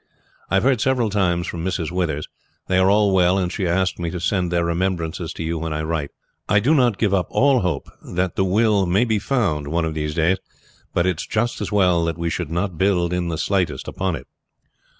I have heard several times from Mrs. Withers; they are all well, and she asked me to send their remembrances to you when I write. I do not give up all hope that the will may be found one of these days, but it is just as well that we should not build in the slightest upon it."